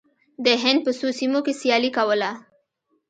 د هند په څو سیمو کې سیالي کوله.